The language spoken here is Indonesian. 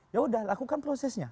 ya udah lakukan prosesnya